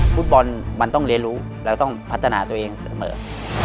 ฟุตบอลมันต้องเรียนรู้เราต้องพัฒนาตัวเองเสมอ